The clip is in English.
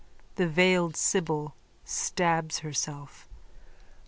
THE VEILED SIBYL: _(Stabs herself.)